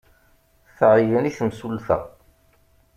Tɛeyyen i temsulta.